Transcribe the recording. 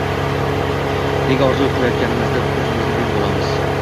Nega orzu kilayotganimizda kuzimizni yumib olamiz